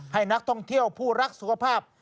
ให้นักท่องเที่ยวผู้รักสุขภาพ